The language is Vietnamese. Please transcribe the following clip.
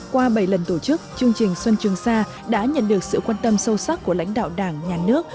qua bảy lần tổ chức chương trình xuân trường sa đã nhận được sự quan tâm sâu sắc của lãnh đạo đảng nhà nước